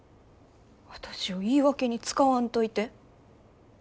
私を言い訳に使わんといて。